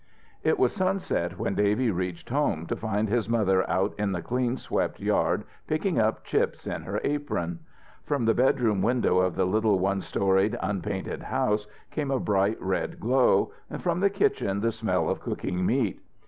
It was sunset when Davy reached home to find his mother out in the clean swept yard picking up chips in her apron. From the bedroom window of the little one storied unpainted house came a bright red glow, and from the kitchen the smell of cooking meat.